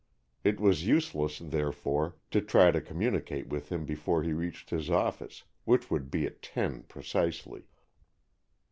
It was useless, therefore, to try to communicate with him before he reached his office, which would be at ten precisely.